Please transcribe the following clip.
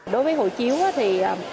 đối với hồ chiếu thì